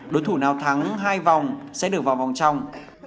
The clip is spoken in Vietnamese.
đối thủ nào thắng hai vòng sẽ được vào vòng trong